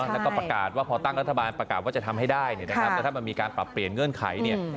แล้วก็ประกาศว่าพอตั้งรัฐบาลประกาศว่าจะทำให้ได้เนี่ยนะครับแล้วถ้ามันมีการปรับเปลี่ยนเงื่อนไขเนี่ย